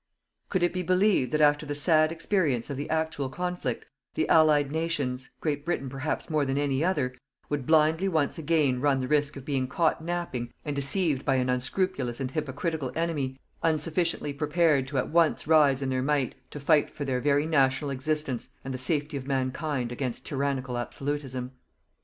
Could it be believed that after the sad experience of the actual conflict, the Allied nations Great Britain perhaps more than any other would blindly once again run the risk of being caught napping and deceived by an unscrupulous and hypocritical enemy, unsufficiently prepared to at once rise in their might to fight for their very national existence and the safety of Mankind against tyrannical absolutism.